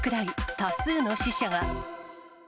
多数の死者が。